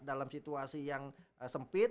dalam situasi yang sempit